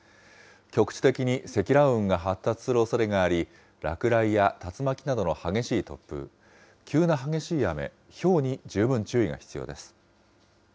局地的に積乱雲が発達するおそれがあり、落雷や竜巻などの激しい突風、急な激しい雨、ひょうに十分注意が必要です。